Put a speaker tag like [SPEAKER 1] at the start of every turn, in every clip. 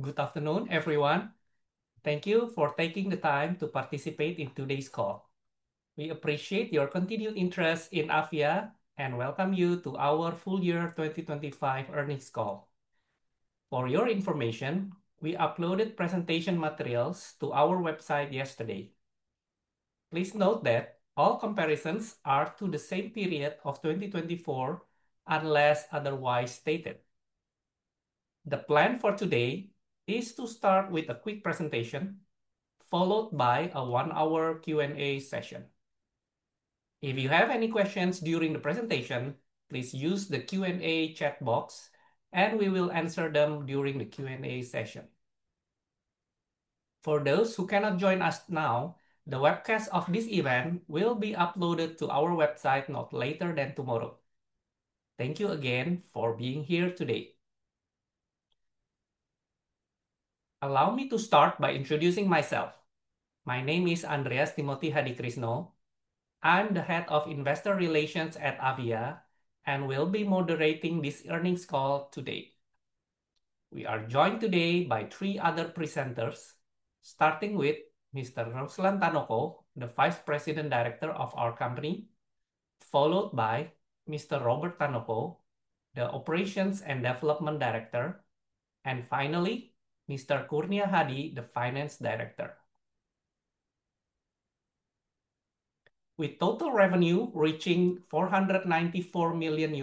[SPEAKER 1] Good afternoon, everyone. Thank you for taking the time to participate in today's call. We appreciate your continued interest in Avian, and welcome you to our full year 2025 earnings call. For your information, we uploaded presentation materials to our website yesterday. Please note that all comparisons are to the same period of 2024, unless otherwise stated. The plan for today is to start with a quick presentation, followed by a one-hour Q&A session. If you have any questions during the presentation, please use the Q&A chat box, and we will answer them during the Q&A session. For those who cannot join us now, the webcast of this event will be uploaded to our website not later than tomorrow. Thank you again for being here today. Allow me to start by introducing myself. My name is Andreas Timothy Hadikrisno. I'm the head of investor relations at Avian and will be moderating this earnings call today. We are joined today by three other presenters, starting with Mr. Ruslan Tanoko, the Vice President Director of our company, followed by Mr. Robert Tanoko, the Operations & Development Director, and finally, Mr. Kurnia Hadi, the Finance Director. With total revenue reaching $494 million,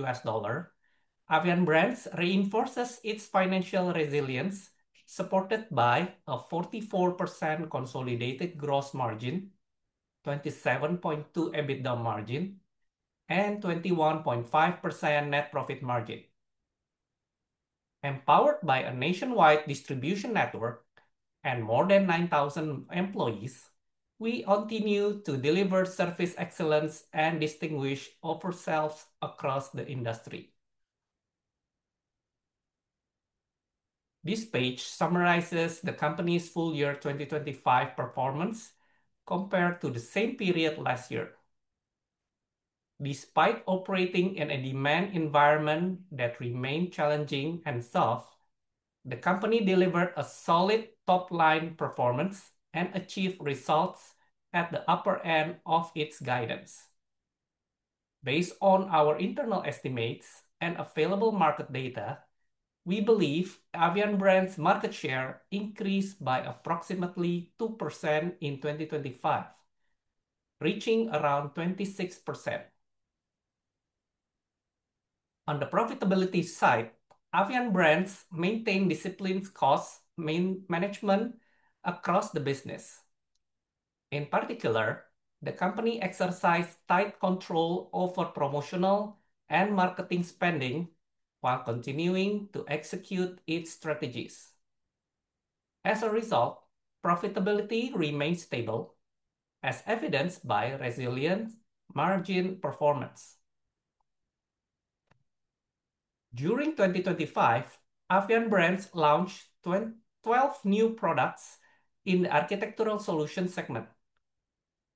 [SPEAKER 1] Avian Brands reinforces its financial resilience, supported by a 44% consolidated gross margin, 27.2% EBITDA margin, and 21.5% net profit margin. Empowered by a nationwide distribution network and more than 9,000 employees, we continue to deliver service excellence and distinguish ourselves across the industry. This page summarizes the company's full year 2025 performance compared to the same period last year. Despite operating in a demand environment that remained challenging and soft, the company delivered a solid top-line performance and achieved results at the upper end of its guidance. Based on our internal estimates and available market data, we believe Avian Brands market share increased by approximately 2% in 2025, reaching around 26%. On the profitability side, Avian Brands maintain disciplined cost management across the business. In particular, the company exercised tight control over promotional and marketing spending while continuing to execute its strategies. As a result, profitability remained stable, as evidenced by resilient margin performance. During 2025, Avian Brands launched 12 new products in the Architectural Solutions segment.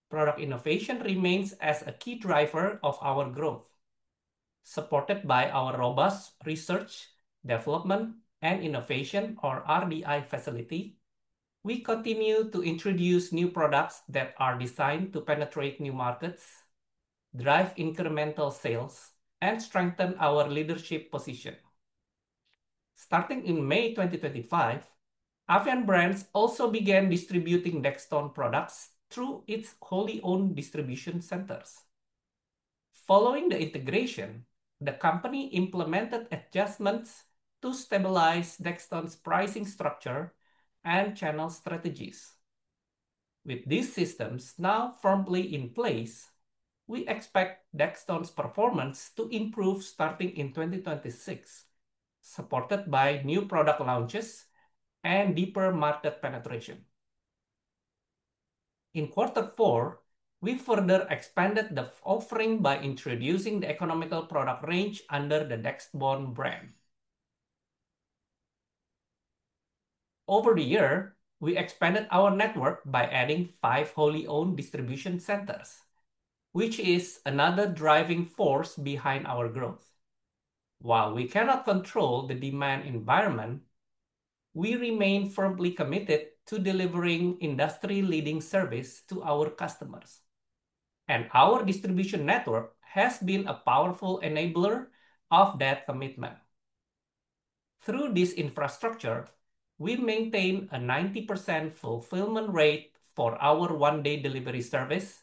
[SPEAKER 1] Product innovation remains as a key driver of our growth. Supported by our robust research, development, and innovation or RDI facility, we continue to introduce new products that are designed to penetrate new markets, drive incremental sales, and strengthen our leadership position. Starting in May 2025, Avian Brands also began distributing Dextone products through its wholly owned distribution centers. Following the integration, the company implemented adjustments to stabilize Dextone's pricing structure and channel strategies. With these systems now firmly in place, we expect Dextone's performance to improve starting in 2026, supported by new product launches and deeper market penetration. In quarter four, we further expanded the offering by introducing the economical product range under the DexBond brand. Over the year, we expanded our network by adding five wholly owned distribution centers, which is another driving force behind our growth. While we cannot control the demand environment, we remain firmly committed to delivering industry leading service to our customers, and our distribution network has been a powerful enabler of that commitment. Through this infrastructure, we maintain a 90% fulfillment rate for our one-day delivery service,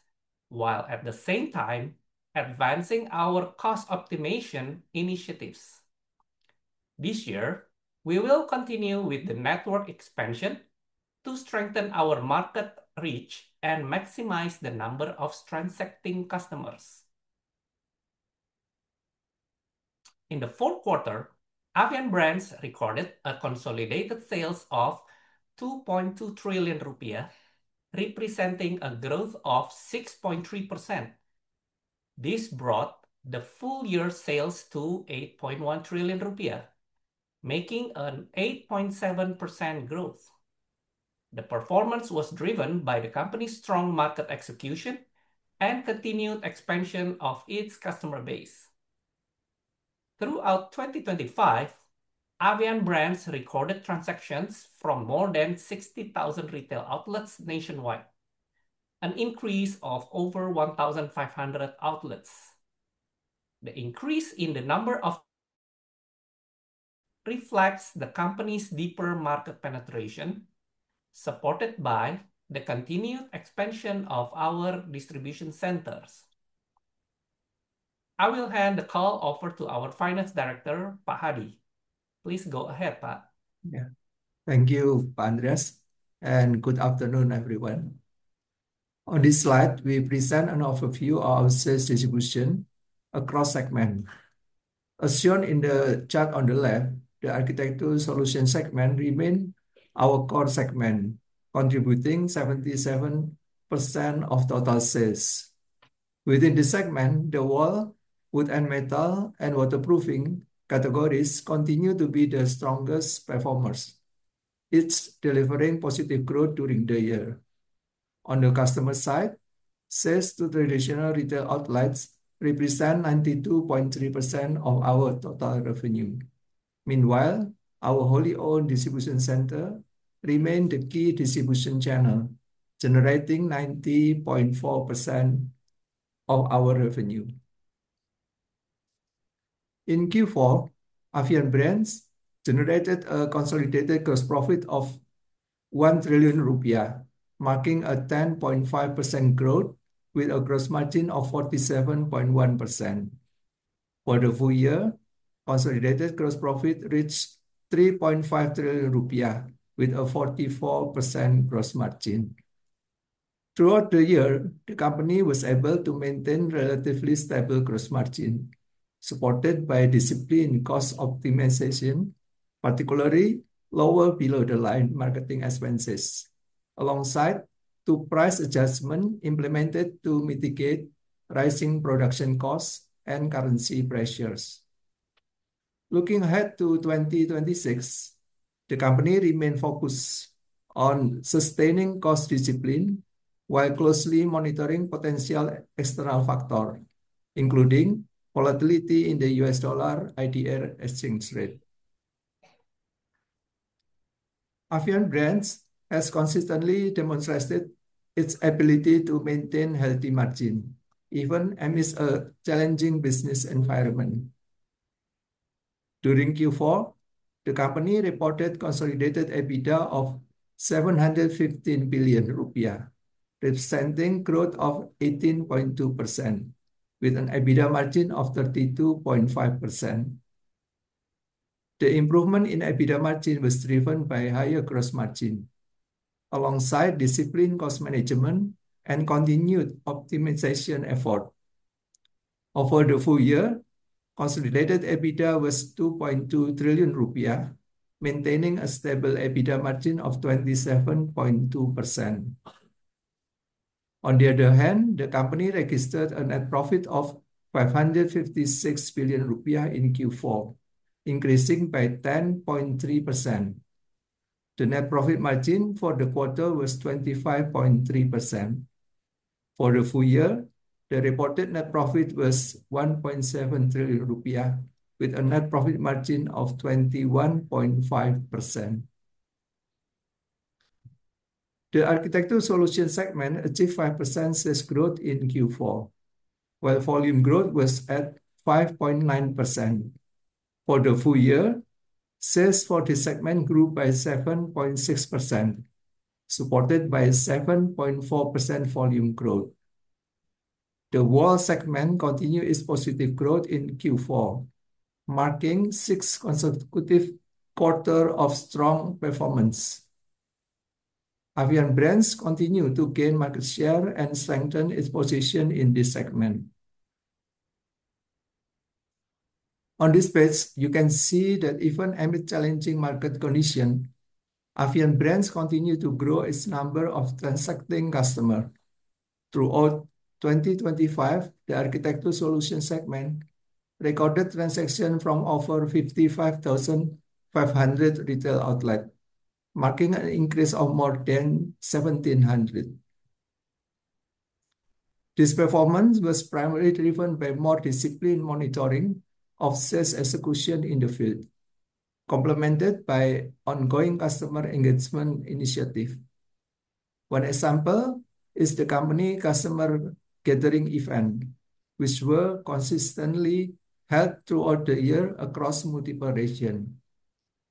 [SPEAKER 1] while at the same time advancing our cost optimization initiatives. This year, we will continue with the network expansion to strengthen our market reach and maximize the number of transacting customers. In the fourth quarter, Avian Brands recorded a consolidated sales of 2.2 trillion rupiah, representing a growth of 6.3%. This brought the full year sales to 8.1 trillion rupiah, making an 8.7% growth. The performance was driven by the company's strong market execution and continued expansion of its customer base. Throughout 2025, Avian Brands recorded transactions from more than 60,000 retail outlets nationwide, an increase of over 1,500 outlets. The increase in the number of reflects the company's deeper market penetration, supported by the continued expansion of our distribution centers. I will hand the call over to our Finance Director, Kurnia Hadi. Please go ahead, Pak.
[SPEAKER 2] Yeah. Thank you, Andreas Hadikrisno. Good afternoon, everyone. On this slide, we present an overview of sales distribution across segment. As shown in the chart on the left, the Architectural Solutions segment remain our core segment, contributing 77% of total sales. Within the segment, the wall, wood & metal, and waterproofing categories continue to be the strongest performers, each delivering positive growth during the year. On the customer side, sales to traditional retail outlets represent 92.3% of our total revenue. Meanwhile, our wholly-owned distribution center remain the key distribution channel, generating 90.4% of our revenue. In Q4, Avian Brands generated a consolidated gross profit of 1 trillion rupiah, marking a 10.5% growth with a gross margin of 47.1%. For the full year, consolidated gross profit reached 3.5 trillion rupiah with a 44% gross margin. Throughout the year, the company was able to maintain relatively stable gross margin supported by disciplined cost optimization, particularly lower below-the-line marketing expenses, alongside two price adjustment implemented to mitigate rising production costs and currency pressures. Looking ahead to 2026, the company remain focused on sustaining cost discipline while closely monitoring potential external factor, including volatility in the USD/IDR exchange rate. Avian Brands has consistently demonstrated its ability to maintain healthy margin even amidst a challenging business environment. During Q4, the company reported consolidated EBITDA of 715 billion rupiah, representing growth of 18.2% with an EBITDA margin of 32.5%. The improvement in EBITDA margin was driven by higher gross margin alongside disciplined cost management and continued optimization effort. Over the full year, consolidated EBITDA was 2.2 trillion rupiah, maintaining a stable EBITDA margin of 27.2%. On the other hand, the company registered a net profit of 556 billion rupiah in Q4, increasing by 10.3%. The net profit margin for the quarter was 25.3%. For the full year, the reported net profit was 1.7 trillion rupiah with a net profit margin of 21.5%. The Architectural Solutions segment achieved 5% sales growth in Q4 while volume growth was at 5.9%. For the full year, sales for the segment grew by 7.6%, supported by 7.4% volume growth. The Wall segment continued its positive growth in Q4, marking six consecutive quarter of strong performance. Avian Brands continue to gain market share and strengthen its position in this segment. On this page, you can see that even amid challenging market condition, Avian Brands continued to grow its number of transacting customer. Throughout 2025, the Architectural Solutions segment recorded transaction from over 55,500 retail outlet, marking an increase of more than 1,700. This performance was primarily driven by more disciplined monitoring of sales execution in the field, complemented by ongoing customer engagement initiative. One example is the company customer gathering event, which were consistently held throughout the year across multiple region.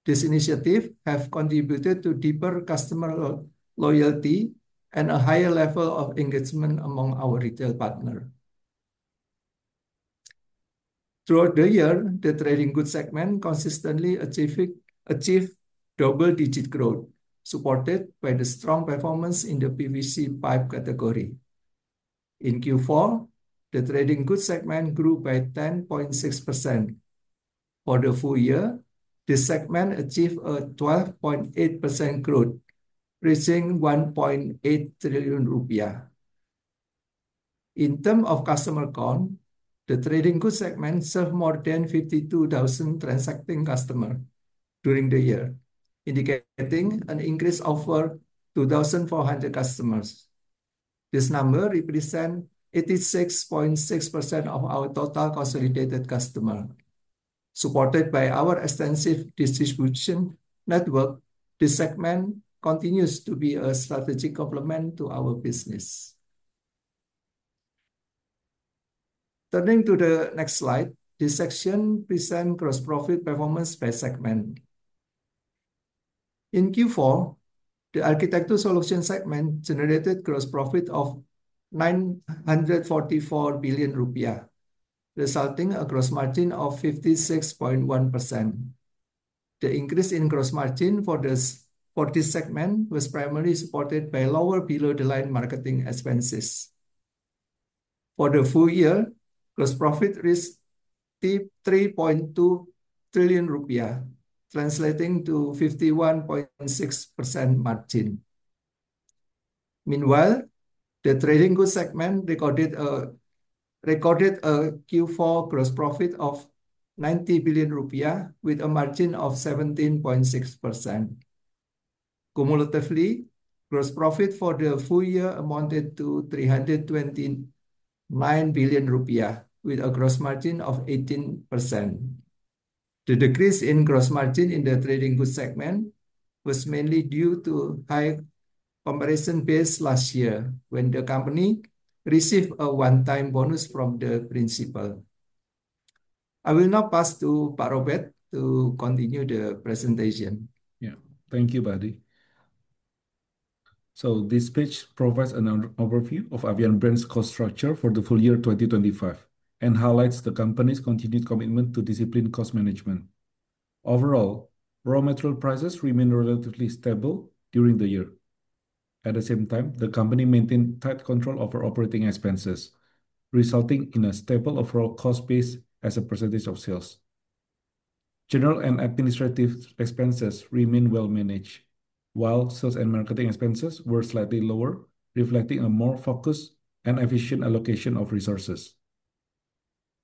[SPEAKER 2] This initiative have contributed to deeper customer loyalty and a higher level of engagement among our retail partner. Throughout the year, the Trading Goods segment consistently achieved double-digit growth supported by the strong performance in the PVC pipe category. In Q4, the Trading Goods segment grew by 10.6%. For the full year, this segment achieved a 12.8% growth, reaching 1.8 trillion rupiah. In term of customer count, the Trading Goods segment served more than 52,000 transacting customer during the year, indicating an increase over 2,400 customers. This number represent 86.6% of our total consolidated customer. Supported by our extensive distribution network, this segment continues to be a strategic complement to our business. Turning to the next slide, this section present gross profit performance by segment. In Q4, the Architectural Solutions segment generated gross profit of 944 billion rupiah, resulting a gross margin of 56.1%. The increase in gross margin for this segment was primarily supported by lower below-the-line marketing expenses. For the full year, gross profit reached 3.2 trillion rupiah, translating to 51.6% margin. Meanwhile, the Trading Goods segment recorded a Q4 gross profit of 90 billion rupiah with a margin of 17.6%. Cumulatively, gross profit for the full year amounted to 329 billion rupiah with a gross margin of 18%. The decrease in gross margin in the Trading Goods segment was mainly due to high comparison base last year when the company received a one-time bonus from the principal. I will now pass to Robert Tanoko to continue the presentation.
[SPEAKER 3] Thank you, Hadi. This page provides an overview of Avian Brands' cost structure for the full year 2025 and highlights the company's continued commitment to disciplined cost management. Raw material prices remain relatively stable during the year. At the same time, the company maintained tight control over operating expenses, resulting in a stable overall cost base as a percentage of sales. General and administrative expenses remain well managed, while sales and marketing expenses were slightly lower, reflecting a more focused and efficient allocation of resources.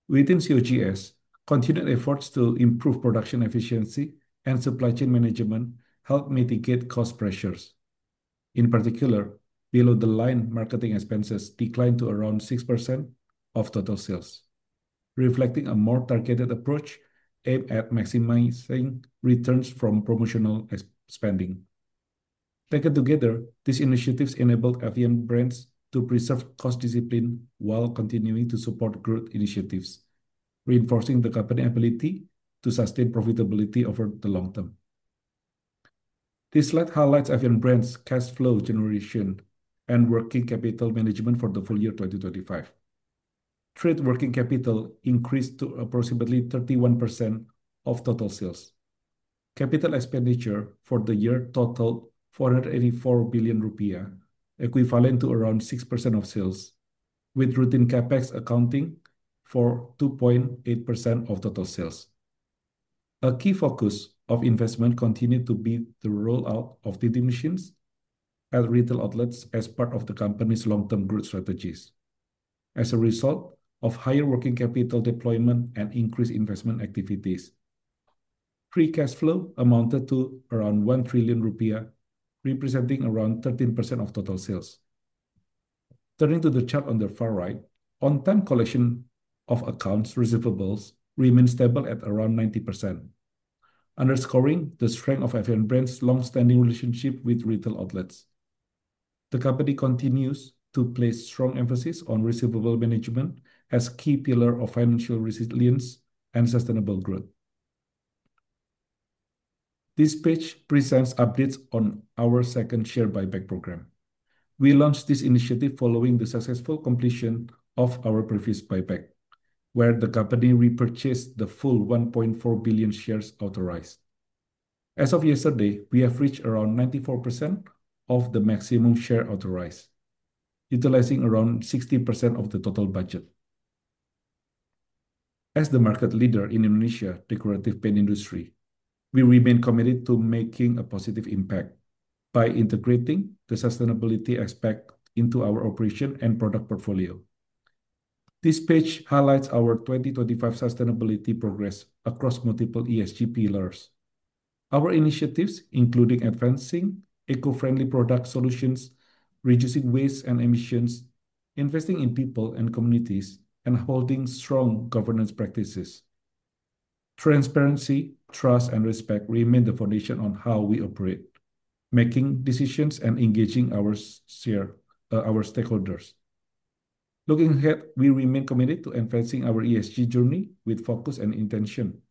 [SPEAKER 3] Within COGS, continued efforts to improve production efficiency and supply chain management helped mitigate cost pressures. In particular, below-the-line marketing expenses declined to around 6% of total sales, reflecting a more targeted approach aimed at maximizing returns from promotional spending. Taken together, these initiatives enabled Avian Brands to preserve cost discipline while continuing to support growth initiatives, reinforcing the company ability to sustain profitability over the long term. This slide highlights Avian Brands' cash flow generation and working capital management for the full year 2025. Trade working capital increased to approximately 31% of total sales. Capital expenditure for the year totaled 484 billion rupiah, equivalent to around 6% of sales, with routine CapEx accounting for 2.8% of total sales. A key focus of investment continued to be the rollout of DD machines at retail outlets as part of the company's long-term growth strategies. As a result of higher working capital deployment and increased investment activities, free cash flow amounted to around 1 trillion rupiah, representing around 13% of total sales. Turning to the chart on the far right, on-time collection of accounts receivables remains stable at around 90%, underscoring the strength of Avian Brands' long-standing relationship with retail outlets. The company continues to place strong emphasis on receivable management as key pillar of financial resilience and sustainable growth. This page presents updates on our second share buyback program. We launched this initiative following the successful completion of our previous buyback, where the company repurchased the full 1.4 billion shares authorized. As of yesterday, we have reached around 94% of the maximum share authorized, utilizing around 60% of the total budget. As the market leader in Indonesia decorative paint industry, we remain committed to making a positive impact by integrating the sustainability aspect into our operation and product portfolio. This page highlights our 2025 sustainability progress across multiple ESG pillars. Our initiatives, including advancing eco-friendly product solutions, reducing waste and emissions, investing in people and communities, and holding strong governance practices. Transparency, trust, and respect remain the foundation on how we operate, making decisions and engaging our stakeholders. Looking ahead, we remain committed to advancing our ESG journey with focus and intention.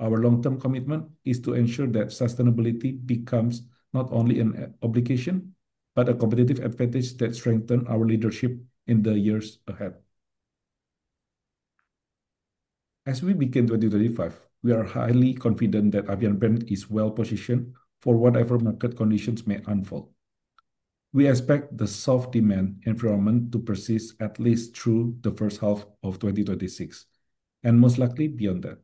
[SPEAKER 3] Our long-term commitment is to ensure that sustainability becomes not only an obligation, but a competitive advantage that strengthen our leadership in the years ahead. As we begin 2025, we are highly confident that Avian Brands is well-positioned for whatever market conditions may unfold. We expect the soft demand environment to persist at least through the first half of 2026 and most likely beyond that.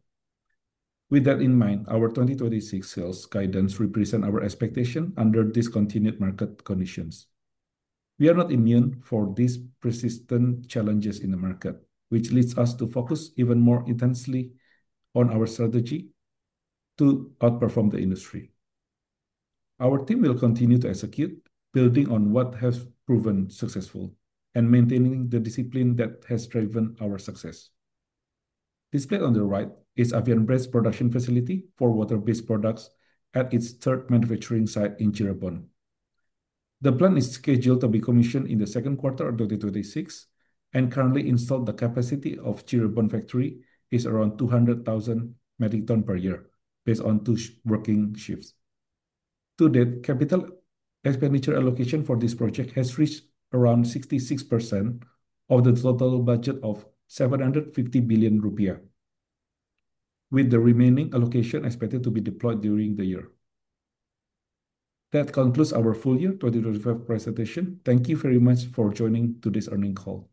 [SPEAKER 3] With that in mind, our 2026 sales guidance represent our expectation under discontinued market conditions. We are not immune for these persistent challenges in the market, which leads us to focus even more intensely on our strategy to outperform the industry. Our team will continue to execute, building on what has proven successful and maintaining the discipline that has driven our success. Displayed on the right is Avian Brands' production facility for water-based products at its third manufacturing site in Cirebon. The plan is scheduled to be commissioned in the second quarter of 2026 and currently installed the capacity of Cirebon factory is around 200,000 metric ton per year based on two working shifts. To date, capital expenditure allocation for this project has reached around 66% of the total budget of 750 billion rupiah, with the remaining allocation expected to be deployed during the year. That concludes our full year 2025 presentation. Thank you very much for joining today's earnings call.